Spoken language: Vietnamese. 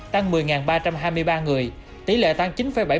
tăng một mươi ba trăm hai mươi ba người tỷ lệ tăng chín bảy mươi bốn